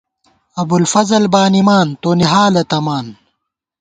ابوالفضل بانِمان ، تونی حالہ تمان